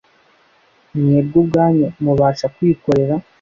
Mwebwe ubwanyu mubasha kwikorera